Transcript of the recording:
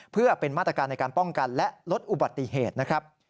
เพื่อเป็นมาตรการในการป้องกันและลดอุบัติเหตุนะครับ